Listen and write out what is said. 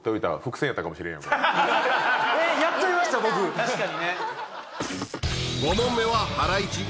確かにね。